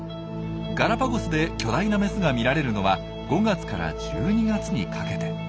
ガラパゴスで巨大なメスが見られるのは５月から１２月にかけて。